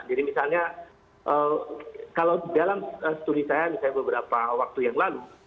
jadi misalnya kalau dalam studi saya beberapa waktu yang lalu